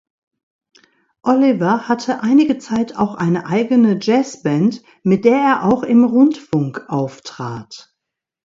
Oliver hatte einige Zeit auch eine eigene Jazzband, mit der auch im Rundfunk auftrat.